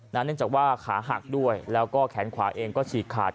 เนื่องจากว่าขาหักด้วยแล้วก็แขนขวาเองก็ฉีกขาด